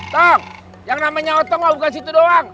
tong yang namanya oteng mah bukan situ doang